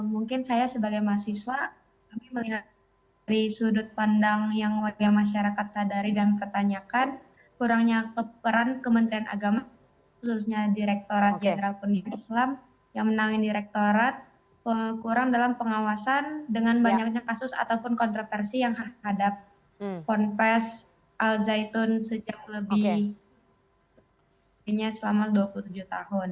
mungkin saya sebagai mahasiswa melihat dari sudut pandang yang masyarakat sadari dan pertanyakan kurangnya peran kementerian agama khususnya direktorat general pendidikan islam yang menangin direktorat kurang dalam pengawasan dengan banyaknya kasus ataupun kontroversi yang terhadap puan pes al zaitun sejak lebih selama dua puluh tujuh tahun